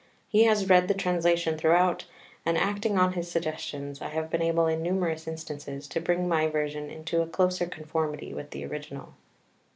He has read the Translation throughout, and acting on his suggestions I have been able in numerous instances to bring my version into a closer conformity with the original.